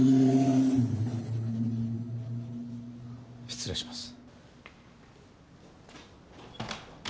失礼します。